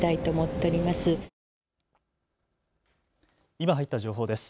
今、入った情報です。